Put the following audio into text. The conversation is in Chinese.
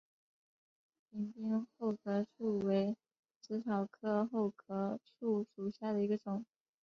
屏边厚壳树为紫草科厚壳树属下的一个种。